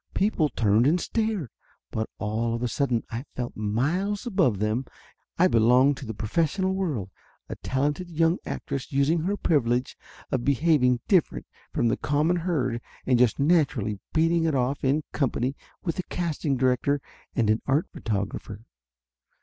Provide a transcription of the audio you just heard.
People turned and stared. But all of a sudden I felt miles above them; I belonged to the professional world. A tal ented young actress using her privilege of behaving different from the common herd and just naturally beating it off in company with a casting director and a art photographer.